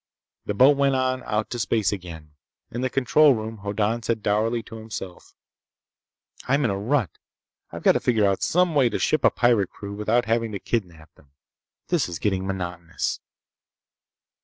The boat went on out to space again. In the control room Hoddan said dourly to himself: "I'm in a rut! I've got to figure out some way to ship a pirate crew without having to kidnap them. This is getting monotonous!"